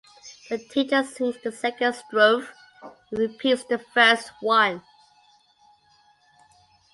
The teacher sings the second strophe and repeats the first one.